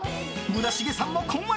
村重さんも困惑。